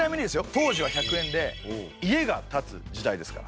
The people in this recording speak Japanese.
当時は１００円で家が建つ時代ですから。